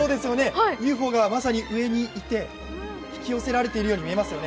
ＵＦＯが上にいて引き寄せられているように見えますね。